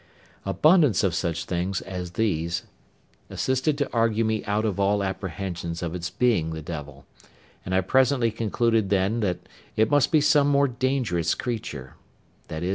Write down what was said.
Abundance of such things as these assisted to argue me out of all apprehensions of its being the devil; and I presently concluded then that it must be some more dangerous creature—viz.